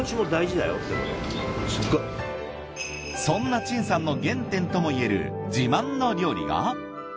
そんな陳さんの原点ともいえる自慢の料理が。